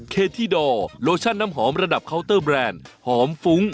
เดี๋ยวช่วงหน้ามาใส่แขนต่อครับ